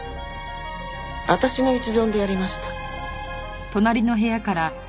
私の一存でやりました。